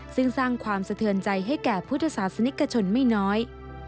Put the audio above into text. ซึ่งสร้างความสะเทือนใจให้แก่พุทธศาสนิกชนไม่น้อย